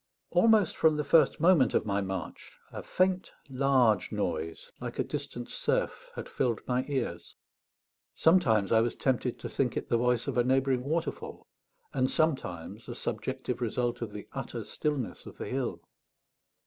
Almost from the first moment of my march, a faint large noise, like a distant surf, had filled my ears. Sometimes I was tempted to think it the voice of a neighbouring waterfall, and sometimes a subjective result of the utter stillness of the hill.